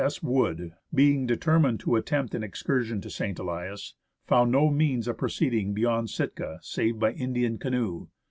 S. Wood being determined to attempt an excursion to St. Elias, found no means of proceeding beyond Sitka, save by an Indian canoe.